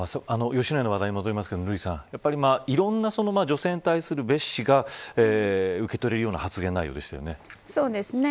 吉野家の話題に戻りますが瑠麗さんいろんな女性に対する蔑視が受け取れるような発言内容でしたね。